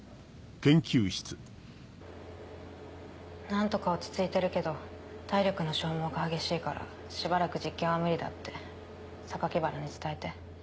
何とか落ち着いてるけど体力の消耗が激しいからしばらく実験は無理だって原に伝えて。